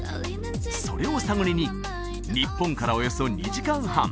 それを探りに日本からおよそ２時間半